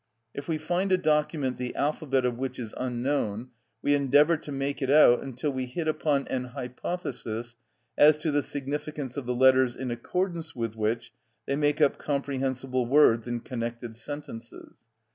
If we find a document the alphabet of which is unknown, we endeavour to make it out until we hit upon an hypothesis as to the significance of the letters in accordance with which they make up comprehensible words and connected sentences.